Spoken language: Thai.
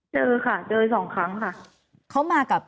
เจอค่ะเจออยู่สองครั้งค่ะ